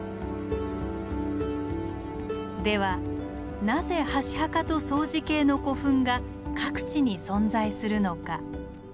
ではなぜ箸墓と相似形の古墳が各地に存在するのか。